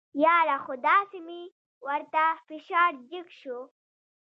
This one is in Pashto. یاره خو داسې مې ورته فشار جګ شو.